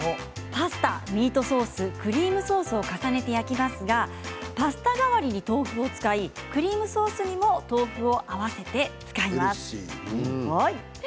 パスタ、ミートソースクリームソースを重ねて焼きますがパスタの代わりに豆腐を使いクリームソースにも豆腐を合わせて使います。